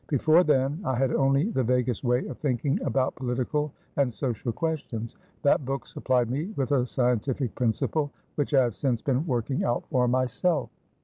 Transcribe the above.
Before then, I had only the vaguest way of thinking about political and social questions. That book supplied me with a scientific principle, which I have since been working out for myself."